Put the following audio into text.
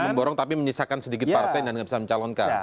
atau memborong tapi menyisakan sedikit partai yang nggak bisa mencalonkan